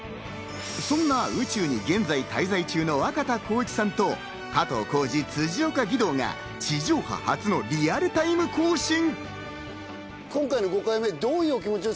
その宇宙に現在滞在中の若田光一さんと加藤浩次、辻岡義堂が地上波初のリアルタイム交信。